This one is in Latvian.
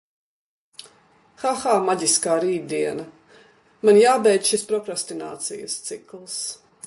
Ha ha maģiskā rītdiena, man jābeidz šis prokrastinācijas cikls.